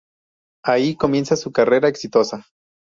Ahí comenzaría su carrera exitosa.